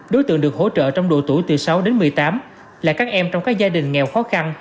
đối tượng được hỗ trợ trong độ tuổi từ sáu đến một mươi tám là các em trong các gia đình nghèo khó khăn